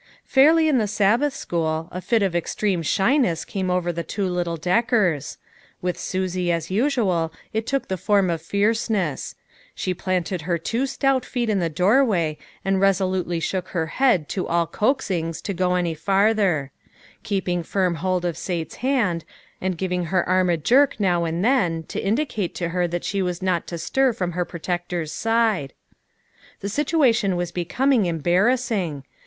Fairly in the Sabbath school, a fit of extreme shyness came over the two little Deckers. With Susie, as usual, it took the form of fierceness ; she planted her two stout feet in the doorway and resolutely shook her head to all coaxings to go any farther; keeping firm hold of Sate's hand, and giving her arm a jerk now and then, to indicate to her that she was not to stir from her protector's side. The situation was becom ing embarrassing.